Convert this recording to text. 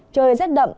trời rất đậm